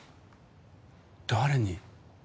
誰に？